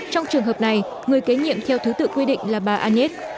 trong trường hợp này người kế nhiệm theo thứ tự quy định là bà anet